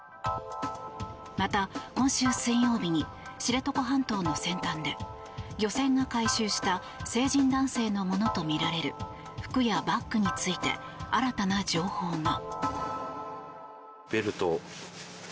また、今週水曜日に知床半島の先端で漁船が回収した成人男性のものとみられる服やバッグについて新たな情報が。